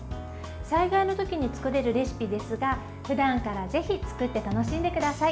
災害の時に作れるレシピですがふだんからぜひ作って楽しんでください。